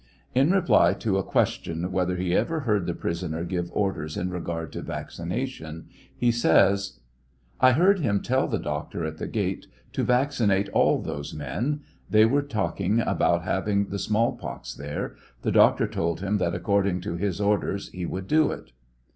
In reply to a question whether he ever heard the prisoner give orders in regard to vaccination, he says : I heard him tell the doctor at the gate to vaccinate all those men ; they were talking about having the small pox there ; the doctor told him that according to his orders he would d'o it.